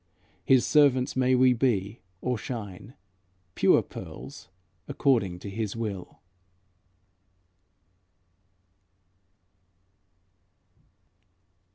His servants may we be, or shine, Pure pearls, according to his will.